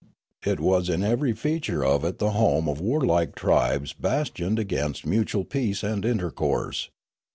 It was in every feature of it the home of warlike tribes bastioned against mutual peace and intercourse.